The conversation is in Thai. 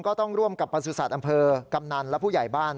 ก็ต้องร่วมกับประสุทธิ์อำเภอกำนันและผู้ใหญ่บ้าน